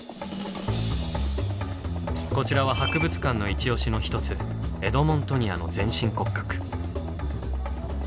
こちらは博物館のイチ推しの一つエドモントニアの全身骨格。